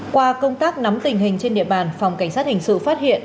qua công tác nắm tình hình trên địa bàn phòng cảnh sát hình sự phát hiện